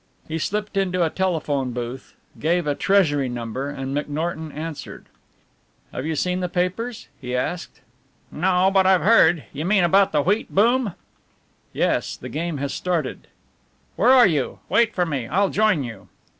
He slipped into a telephone booth, gave a Treasury number and McNorton answered. "Have you seen the papers?" he asked. "No, but I've heard. You mean about the wheat boom?" "Yes the game has started." "Where are you wait for me, I'll join you."